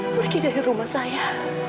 pergi dari rumah saya